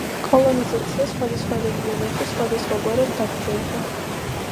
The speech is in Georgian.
კოლონიზაცია სხვადასხვა რეგიონებში სხვადასხვაგვარად გაგრძელდა.